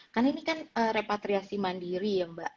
karena ini kan repatriasi mandiri ya mbak